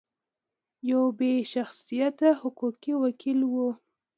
یو بې شخصیته حقوقي وکیل و.